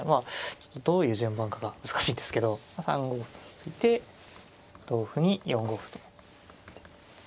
ちょっとどういう順番かが難しいんですけど３五歩と突いて同歩に４五歩と突いて。